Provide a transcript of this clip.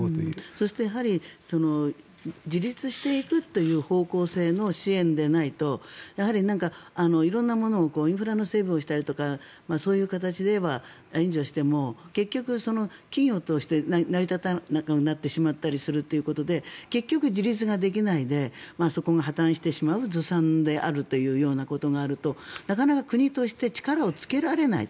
そうすると自立していくという方向性の支援でないと、色んなものをインフラの整備をしたりとかそういう形では援助しても結局、企業として成り立たなくなってしまうということで結局自立ができないでそこが破たんしてしまうずさんであるということがあるとなかなか国として力をつけられない。